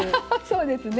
そうですね。